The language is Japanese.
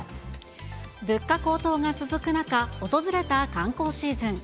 物価高騰が続く中、訪れた観光シーズン。